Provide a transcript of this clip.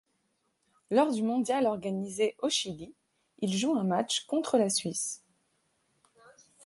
Lors du mondial organisé au Chili, il joue un match contre la Suisse.